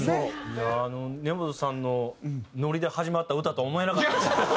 いやああの根本さんのノリで始まった歌とは思えなかった。